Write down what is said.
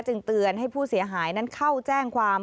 เตือนให้ผู้เสียหายนั้นเข้าแจ้งความ